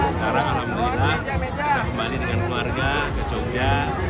sekarang alhamdulillah bisa kembali dengan keluarga ke jogja